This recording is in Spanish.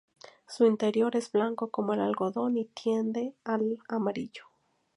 Su interior es blanco como el algodón y tiende al amarillo.